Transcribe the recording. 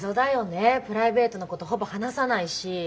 プライベートなことほぼ話さないし。